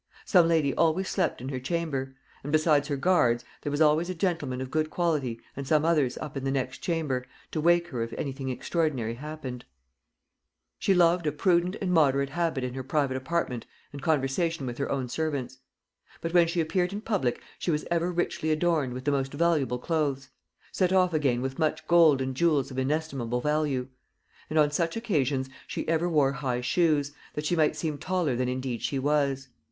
Some lady always slept in her chamber; and besides her guards, there was always a gentleman of good quality and some others up in the next chamber, to wake her if any thing extraordinary happened." [Note 147: Bohun's Character of Queen Elizabeth.] "She loved a prudent and moderate habit in her private apartment and conversation with her own servants; but when she appeared in public she was ever richly adorned with the most valuable clothes; set off again with much gold and jewels of inestimable value; and on such occasions she ever wore high shoes, that she might seem taller than indeed she was.